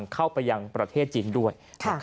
เข้าไปยังประเทศจีนด้วย